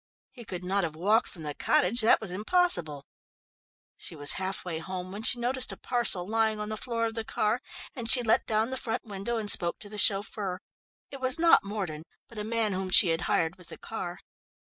He could not have walked from the cottage; that was impossible. She was half way home when she noticed a parcel lying on the floor of the car, and she let down the front window and spoke to the chauffeur. It was not Mordon, but a man whom she had hired with the car.